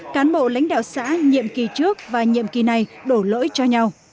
cán bộ lãnh đạo xã nhiệm kỳ trước và nhiệm kỳ này đổ lỗi cho nhau